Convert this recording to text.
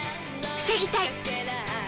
防ぎたい。